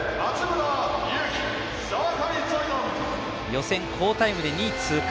予選好タイムで２位通過。